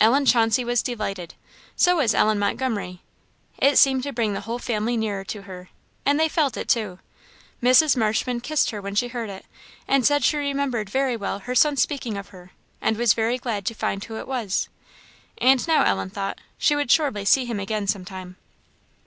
Ellen Chauncey was delighted. So was Ellen Montgomery. It seemed to bring the whole family nearer to her, and they felt it, too. Mrs. Marshman kissed her when she heard it, and said she remembered very well her son's speaking of her, and was very glad to find who it was. And now, Ellen thought, she would surely see him again some time.